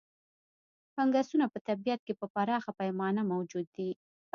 فنګسونه په طبیعت کې په پراخه پیمانه موجود دي.